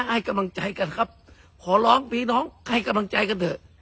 ให้กำลังใจกันครับขอร้องพี่น้องให้กำลังใจกันเถอะ